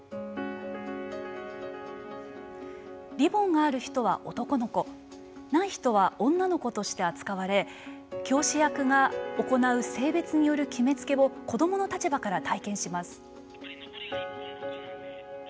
リボンがある人は男の子ない人は女の子として扱われ教師役が行う性別による決めつけを子どもの立場から体験します。